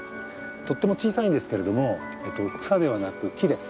とっても小さいんですけれども草ではなく木です。